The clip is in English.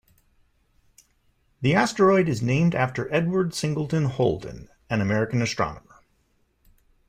The asteroid is named after Edward Singleton Holden, and American astronomer.